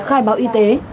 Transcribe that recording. khai báo y tế